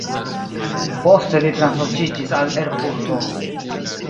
Poste li transloĝiĝis al Erfurto.